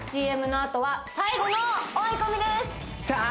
ＣＭのあとは最後の追い込みですさあ